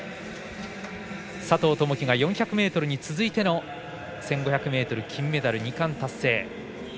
佐藤友祈が、４００ｍに続いての１５００ｍ金メダル、２冠達成。